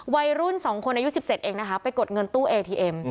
วัยรุ่นสองคนอายุสิบเจ็ดเองนะคะไปกดเงินตู้อึ